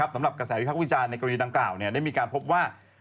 สำหรับกระแสวิพักษ์วิจารณ์ในกรณีดังกล่าวได้มีการพบว่า